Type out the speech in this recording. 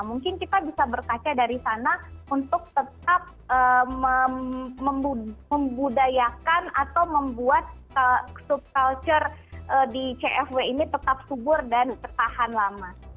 mungkin kita bisa berkaca dari sana untuk tetap membudayakan atau membuat sub culture di cfw ini tetap subur dan tertahan lama